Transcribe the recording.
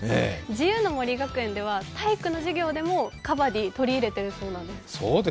自由の森学園では体育の授業でもカバディ、取り入れてるそうです。